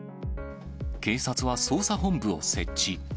警察は捜査本部を設置。